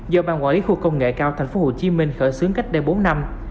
do ban quản lý khu công nghệ cao tp hcm khởi xướng cách đây bốn năm